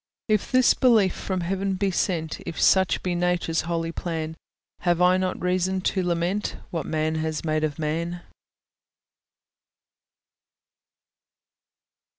If this belief from heaven be sent, If such be Nature's holy plan, Have I not reason to lament What man has made of man?